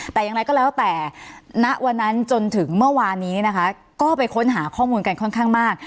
แต่อย่างไรก็แล้วแต่ณวันนั้นจนถึงเมื่อวานนี้นะคะก็ไปค้นหาข้อมูลกันค่อนข้างมาก